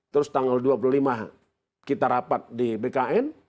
terus tanggal dua puluh lima kita rapat di bkn